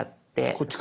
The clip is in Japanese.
こっちか。